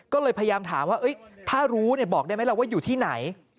ก็เลยพยายามถามว่าถ้ารู้บอกได้ไหมล่ะว่าอยู่ที่ไหน